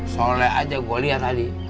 soalnya aja gue liat tadi